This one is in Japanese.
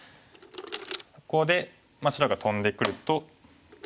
ここで白がトンでくると。